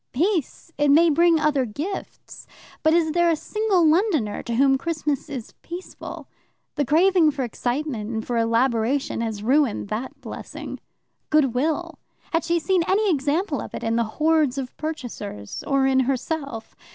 Peace? It may bring other gifts, but is there a single Londoner to whom Christmas is peaceful? The craving for excitement and for elaboration has ruined that blessing. Goodwill? Had she seen any example of it in the hordes of purchasers? Or in herself.